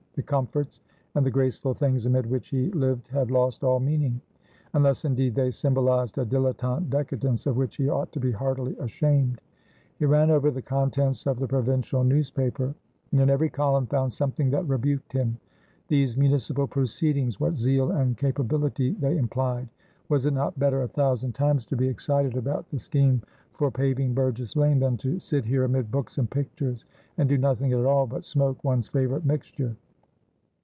The comforts and the graceful things amid which he lived had lost all meaning; unless, indeed, they symbolised a dilettante decadence of which he ought to be heartily ashamed. He ran over the contents of the provincial newspaper, and in every column found something that rebuked him. These municipal proceedings, what zeal and capability they implied! Was it not better, a thousand times, to be excited about the scheme for paving "Burgess Lane" than to sit here amid books and pictures, and do nothing at all but smoke one's favourite mixture?